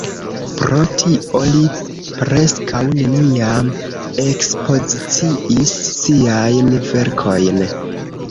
Pro tio li preskaŭ neniam ekspoziciis siajn verkojn.